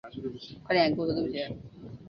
他亦有参与研究核能推动的穿梭机。